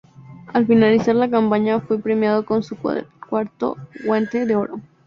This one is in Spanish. Al finalizar la campaña, fue premiado con su cuarto Guante de Oro.